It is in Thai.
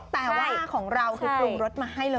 แต่ว่าของเราคือปรุงรสมาให้เลย